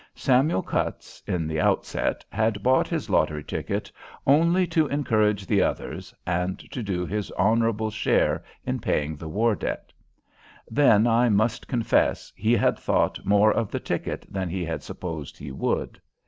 Samuel Cutts, in the outset, had bought his lottery ticket only "to encourage the others," and to do his honorable share in paying the war debt. Then, I must confess, he had thought more of the ticket than he had supposed he would.